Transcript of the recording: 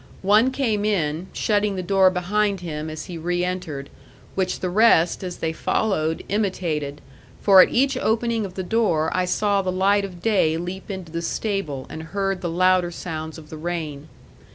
One came in, shutting the door behind him as he reentered, which the rest as they followed imitated; for at each opening of the door I saw the light of day leap into the stable and heard the louder sounds of the rain.